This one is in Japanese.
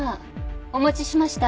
お持ちしました。